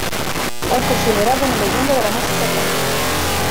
Es considerado una leyenda de la música country.